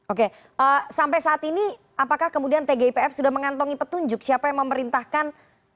oke sampai saat ini apakah kemudian tgipf sudah mengantongi petunjuk siapa yang memerintahkan